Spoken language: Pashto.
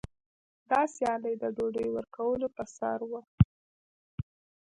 دا سیالي د ډوډۍ ورکولو په سر وه.